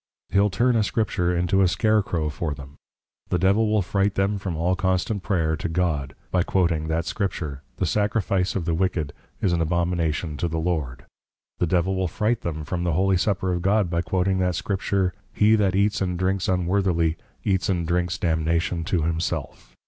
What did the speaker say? He'l turn a Scripture into a Scare crow for them. The Devil will fright them from all constant Prayer to God, by quoting that Scripture, The Sacrifice of the Wicked, is an Abomination to the Lord; the Devil will fright them from the Holy Supper of God, by quoting that Scripture, _He that Eats and Drinks unworthily, Eats and Drinks damnation to himself.